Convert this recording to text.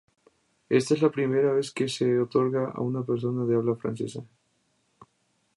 Esta es la primera vez que se otorga a una persona de habla francesa.